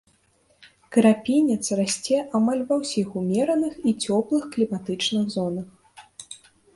Крапінец расце амаль ва ўсіх ўмераных і цёплых кліматычных зонах.